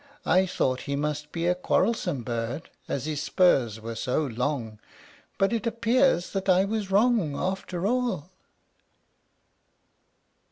I thought he must be a quarrelsome bird as his spurs were so long; but it appears that I was wrong, after all."